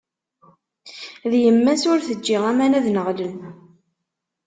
D yemma-s, ur teǧǧi aman ad nneɣlen!